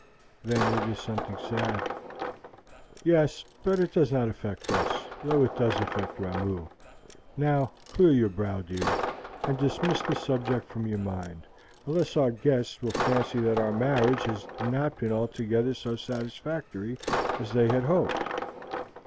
"Then it is something sad." "Yes, but it does not affect us, though it does affect Ramoo. Now clear your brow, dear, and dismiss the subject from your mind, else our guests will fancy that our marriage has not been altogether so satisfactory as they had hoped."